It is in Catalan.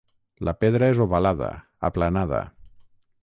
La pedra és ovalada, aplanada.